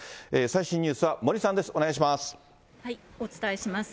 最新ニュースは森さんです。